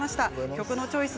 曲のチョイス